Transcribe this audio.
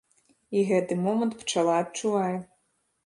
І гэты момант пчала адчувае.